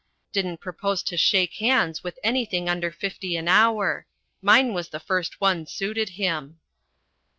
Didn't propose to shake hands with anything under fifty an hour. Mine was the first one suited him."